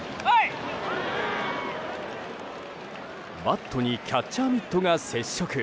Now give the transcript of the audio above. バットにキャッチャーミットが接触。